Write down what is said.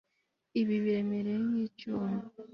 Ibi biremereye nkicyuma